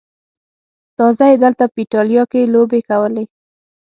تازه یې دلته په ایټالیا کې لوبې کولې.